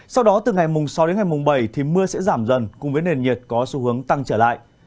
sau đó từ ngày mùng sáu đến ngày mùng bảy thì mưa sẽ giảm dần cùng với nền nhiệt có xu hướng tăng trở lại